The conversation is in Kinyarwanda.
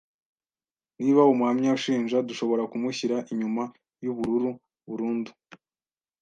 Niba umuhamya ushinja, dushobora kumushyira inyuma yubururu burundu.